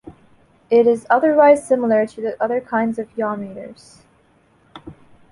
It is otherwise similar to the other kinds of yawmeters.